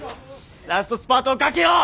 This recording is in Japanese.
ラストスパートかけよう！